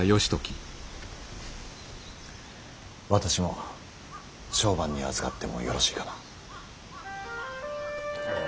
私も相伴にあずかってもよろしいかな？